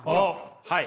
はい。